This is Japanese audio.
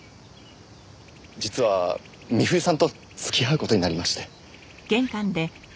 実は美冬さんと付き合う事になりまして。